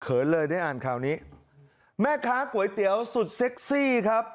เลยได้อ่านข่าวนี้แม่ค้าก๋วยเตี๋ยวสุดเซ็กซี่ครับ